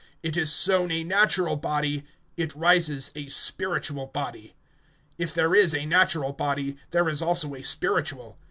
(44)It is sown a natural body, it rises a spiritual body. If there is a natural body, there is also a spiritual.